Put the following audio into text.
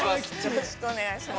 ◆よろしくお願いします。